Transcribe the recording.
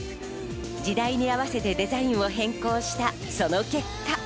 時代に合わせてデザインを変更したその結果。